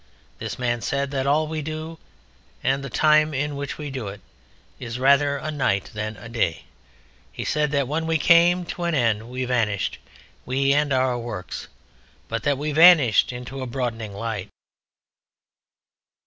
This man said that all we do and the time in which we do it is rather a night than a day. He said that when we came to an end we vanished, we and our works, but that we vanished into a broadening light.